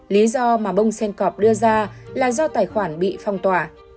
lý do mà bông sen corp đưa ra là do tài khoản bị phong tỏa